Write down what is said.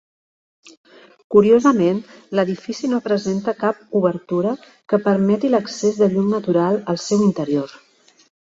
Curiosament, l'edifici no presenta cap obertura que permeti l'accés de llum natural al seu interior.